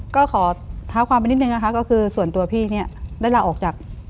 ก็ขอเท้าความไปนิดนึงนะคะก็คือส่วนตัวพี่เนี่ยได้ลาออกจาก